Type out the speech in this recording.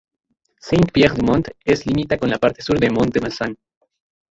Saint-Pierre du Mont es limita con la parte sur de Mont-de-Marsan.